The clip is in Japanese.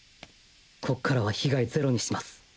こっからは被害ゼロにします。